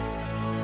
dan kalau tersikat